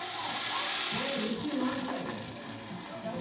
これ２周、まわしたいね。